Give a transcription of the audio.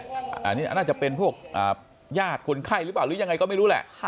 อันนี้น่าจะเป็นพวกญาติคนไข้หรือเปล่าหรือยังไงก็ไม่รู้แหละ